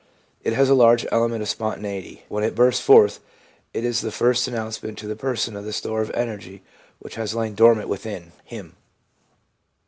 It has a large element of spontaneity. When it bursts forth, it is the first announcement to the person of the store of energy which has lain dormant within him.